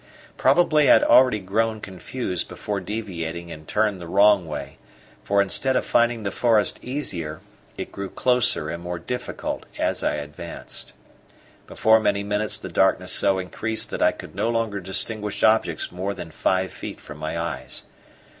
Probably I had already grown confused before deviating and turned the wrong way, for instead of finding the forest easier, it grew closer and more difficult as I advanced. Before many minutes the darkness so increased that I could no longer distinguish objects more than five feet from my eyes.